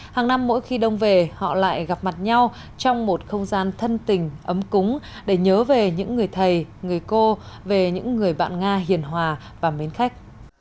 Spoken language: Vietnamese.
hàng năm mỗi khi đông về họ lại gặp mặt nhau trong một không gian thân tình ấm cúng để nhớ về những người thầy người cô về những người bạn nga hiền hòa và mến khách